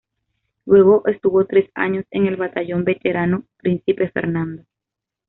Luego estuvo tres años en el Batallón Veterano Príncipe Fernando.